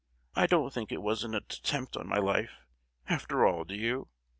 I don't think it was an at—tempt on my life, after all, do you?